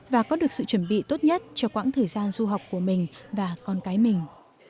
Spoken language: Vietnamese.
và có được sự chuẩn bị tốt nhất cho quãng thời gian du học của mình và con cái mình